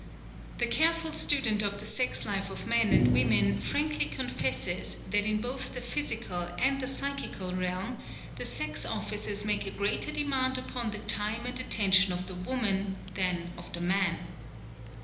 The careful student of the sex life of men and women frankly confesses that in both the physical and the psychical realm the sex offices make a greater demand upon the time and attention of the woman than of the man.